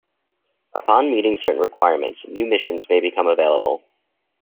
Upon meeting certain requirements, new missions may become available.